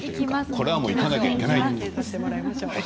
これはいかなきゃいけないと。